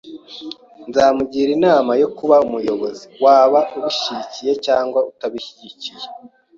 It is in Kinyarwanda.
Nzamugira inama yo kuba umuyobozi, waba ubishyigikiye cyangwa utabishyigikiye.